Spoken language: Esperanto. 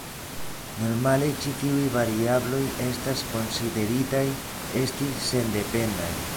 Normale ĉi tiuj variabloj estas konsideritaj esti sendependaj.